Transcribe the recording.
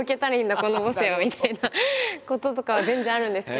この母性は」みたいなこととかは全然あるんですけど。